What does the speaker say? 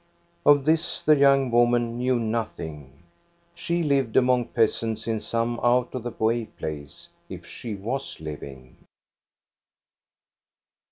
Of this the young woman knew nothing. She lived among peasants in some out of the way place, if she was living.